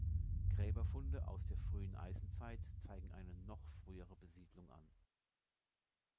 Gräberfunde aus der frühen Eisenzeit zeigen eine noch frühere Besiedlung an.